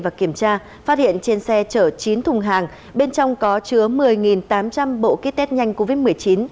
và kiểm tra phát hiện trên xe chở chín thùng hàng bên trong có chứa một mươi tám trăm linh bộ kit test nhanh covid một mươi chín